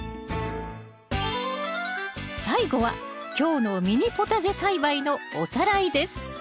最後は今日のミニポタジェ栽培のおさらいです。